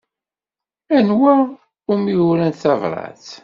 Anwa umi urant tabṛat?